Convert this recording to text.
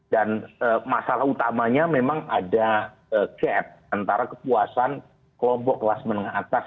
dan masalah utamanya memang ada gap antara kepuasan kelompok kelas menengah atas